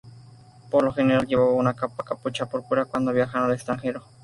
Por lo general llevaba una capa con capucha púrpura cuando viajan al extranjero.